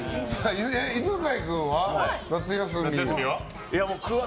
犬飼君は夏休みは？